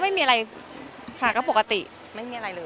ไม่มีอะไรค่ะก็ปกติไม่มีอะไรเลย